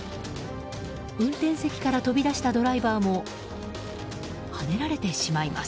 運転席から飛び出したドライバーもはねられてしまいます。